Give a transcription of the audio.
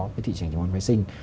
cái thị trường chứng khoán vệ sinh